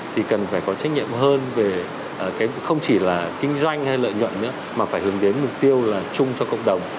thì cần phải có trách nhiệm hơn về không chỉ là kinh doanh hay lợi nhuận nữa mà phải hướng đến mục tiêu là chung cho cộng đồng